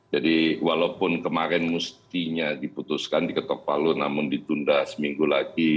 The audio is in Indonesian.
jadi walaupun kemarin mestinya diputuskan di ketok palu namun ditunda seminggu lagi